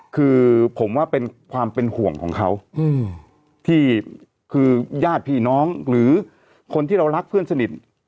คือผมว่าเป็นความเป็นห่วงของเขาที่คือญาติพี่น้องหรือคนที่เรารักเพื่อนสนิท